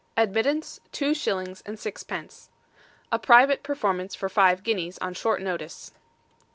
Admittance, Two shillings and Six pence. A Private Performance for five guineas on short notice.